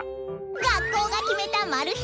学校が決めたマル秘